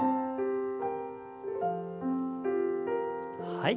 はい。